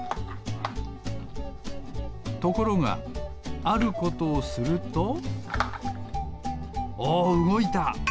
ところがあることをするとおおうごいた。